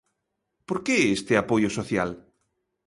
Porqué este apoio social?